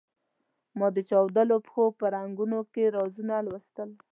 ما د چاودلو پښو په رنګونو کې رازونه لوستلو.